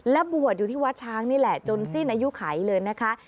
และบวชอยู่ที่วัดช้างนี่แหละจนสิ้นอายุไขเลยนะคะ